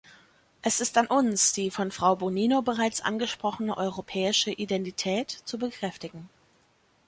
Es ist an uns, die von Frau Bonino bereits angesprochene europäische Identität zu bekräftigen.